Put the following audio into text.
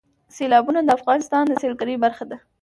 سیلابونه د افغانستان د سیلګرۍ برخه ده.